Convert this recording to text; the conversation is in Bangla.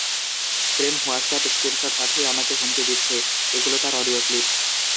প্রেম হোয়াটসঅ্যাপ স্ক্রিনশট পাঠিয়ে আমাকে হুমকি দিচ্ছে, এগুলো তার অডিও ক্লিপ।